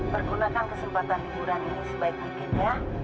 pergunakan kesempatan hiburan ini sebaik mungkin ya